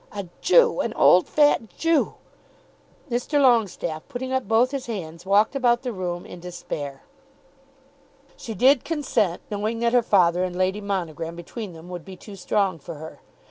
A Jew! An old fat Jew!" Mr. Longestaffe, putting up both his hands, walked about the room in despair. She did consent, knowing that her father and Lady Monogram between them would be too strong for her.